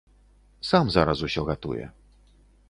Сам зараз усё гатуе.